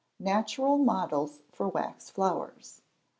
Natural Models for Wax Flowers.